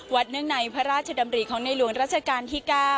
เนื่องในพระราชดำริของในหลวงราชการที่๙